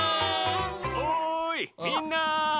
・おいみんな！